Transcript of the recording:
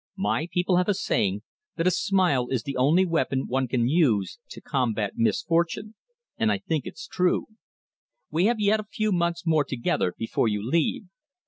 My people have a saying that a smile is the only weapon one can use to combat misfortune, and I think it's true. We have yet a few months more together before you leave.